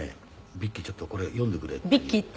「ビッキーちょっとこれ読んでくれ」って言うんで。